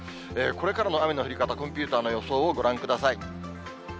これからの雨の降り方、コンピューターの予想をご覧ください。